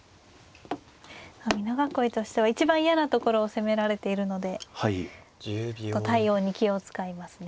美濃囲いとしては一番嫌なところを攻められているので対応に気を遣いますね